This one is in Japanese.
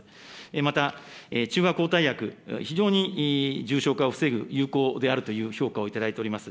また中和抗体薬、非常に重症化を防ぐ有効であるという評価をいただいております。